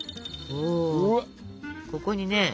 おここにね